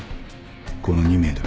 この２名だ。